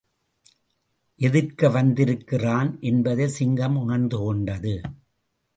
எதிர்க்க வந்திருக்கிறான் என்பதைச் சிங்கம் உணர்ந்துகொண்டது.